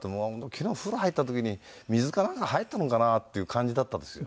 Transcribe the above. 昨日風呂入った時に水かなんか入ったのかな？っていう感じだったんですよ。